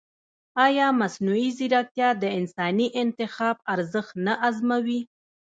ایا مصنوعي ځیرکتیا د انساني انتخاب ارزښت نه ازموي؟